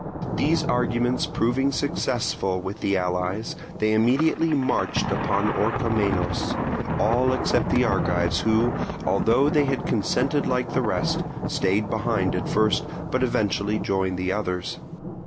These arguments proving successful with the allies, they immediately marched upon Orchomenos, all except the Argives, who, although they had consented like the rest, stayed behind at first, but eventually joined the others.